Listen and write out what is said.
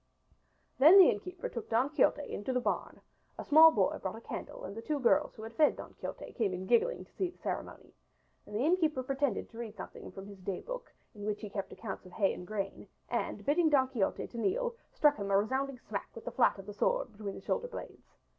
Then the innkeeper took Don Quixote into the barn, a small boy brought a candle and the two girls who had fed Don Quixote came in giggling to see the ceremony. And the innkeeper pretended to read something from his day book, in which he kept accounts of hay and grain; and bidding Don Quixote to kneel struck him a resounding smack with the flat of the sword between the shoulder blades.